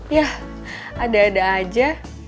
yah ada ada aja